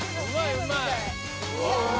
うまい！